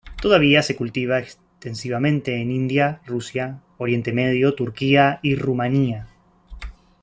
Todavía se cultiva extensivamente en India, Rusia, Oriente Medio, Turquía y Rumanía.